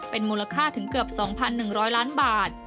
เป็นมูลค่าถึงเกือบ๒๑๐๐ล้านบาท